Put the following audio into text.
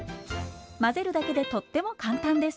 混ぜるだけでとっても簡単です。